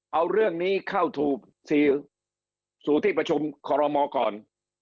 เอาเรื่องนี้เข้าสู่ที่ประชุมคอรมอก่อน